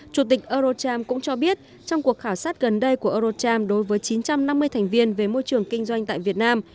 chủ tịch eurocharm cũng cho biết trong cuộc khảo sát gần đây của eurocharm đối với chín trăm năm mươi thành viên về môi trường kinh doanh tại việt nam